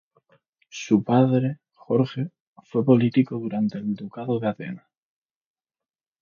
Su padre, Jorge, fue político durante el Ducado de Atenas.